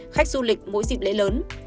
khách du lịch mỗi dịp lễ lớn